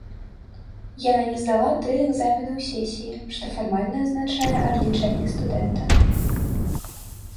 Яна не здала тры экзамены ў сесіі, што фармальна азначае адлічэнне студэнта.